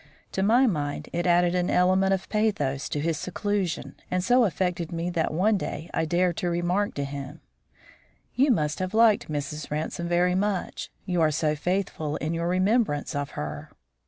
To my mind, it added an element of pathos to his seclusion, and so affected me that one day I dared to remark to him: "You must have liked Mrs. Ransome very much you are so faithful in your remembrance of her."